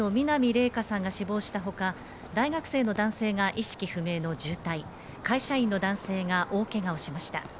無職の南怜華さんが死亡したほか、大学生の男性が意識不明の重体会社員の男性が大けがをしました。